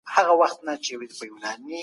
هغه خپل هدف ته ډېر ژر رسېدلی و.